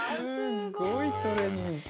すごいトレーニング。